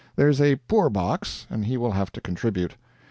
There's a poor box, and he will have to contribute.